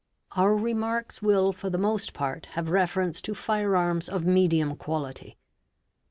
Our remarks will for the most part have reference to fire arms of medium quality.